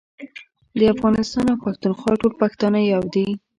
د افغانستان او پښتونخوا ټول پښتانه يو دي